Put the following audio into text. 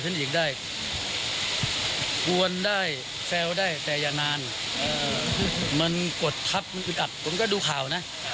ข่าวโดยหรือขอโทษพี่ปูแล้ว